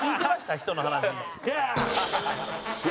人の話。